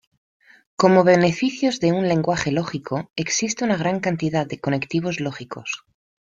Como beneficios de un lenguaje lógico, existe una gran cantidad de conectivos lógicos.